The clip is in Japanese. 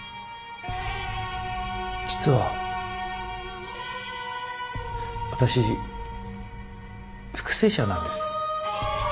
実は私復生者なんです。